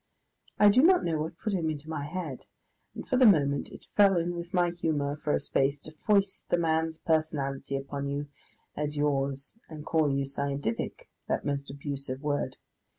I do not know what put him into my head, and for the moment, it fell in with my humour for a space to foist the man's personality upon you as yours and call you scientific that most abusive word.